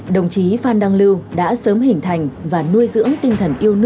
đồng chí phan đăng lưu đã sớm hình thành và nuôi dưỡng tinh thần yêu nước